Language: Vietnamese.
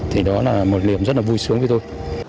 thì đó là một niềm rất là vui sướng với tôi